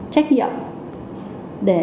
trách nhiệm để